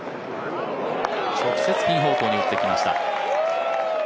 直接ピン方向に打ってきました。